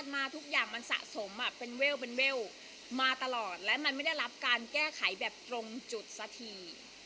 มาทุกอย่างมันสะสมเป็นเวลเป็นเวลมาตลอดและมันไม่ได้รับการแก้ไขแบบตรงจุดสักที